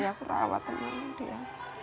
dia kerawat anaknya dia